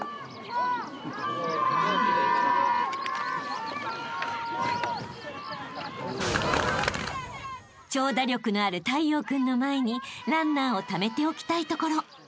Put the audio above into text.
［長打力のある太陽君の前にランナーをためておきたいところ］